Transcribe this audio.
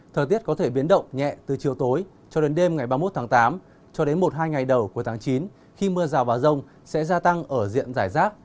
thời tiết có thể biến động nhẹ từ chiều tối cho đến đêm ngày ba mươi một tháng tám cho đến một hai ngày đầu cuối tháng chín khi mưa rào và rông sẽ gia tăng ở diện giải rác